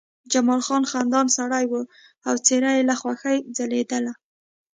جمال خان خندان سړی و او څېره یې له خوښۍ ځلېدله